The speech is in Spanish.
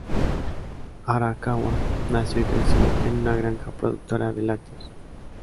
Arakawa nació y creció en una granja productora de lácteos.